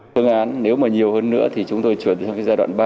phương án nếu mà nhiều hơn nữa thì chúng tôi chuyển sang giai đoạn ba